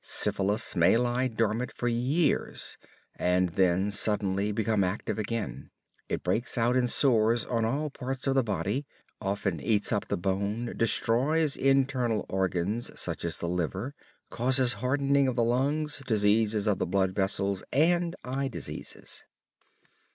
Syphilis may lie dormant for years, and then suddenly become active again. It breaks out in sores on all parts of the body, often eats up the bone, destroys internal organs, such as the liver, causes hardening of the lungs, diseases of the blood vessels and eye diseases.